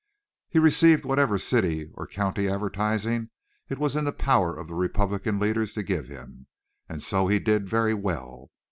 He received whatever city or county advertising it was in the power of the Republican leaders to give him, and so he did very well.